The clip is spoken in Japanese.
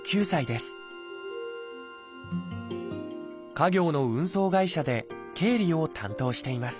家業の運送会社で経理を担当しています